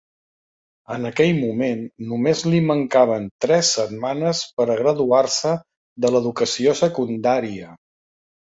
En aquell moment només li mancaven tres setmanes per a graduar-se de l'educació secundària.